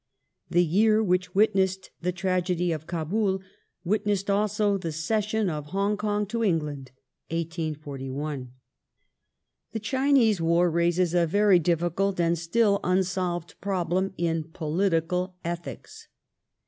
The year which witnessed the tragedy of Kabul witnessed also the cession of Hong Kong to England (1841). The Chinese War raises a very difficult and still unsolved pro The China blem in political ethics.